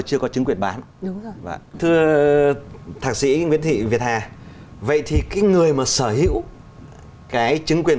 chưa có chứng quyền bán thưa thạc sĩ nguyễn thị việt hà vậy thì cái người mà sở hữu cái chứng quyền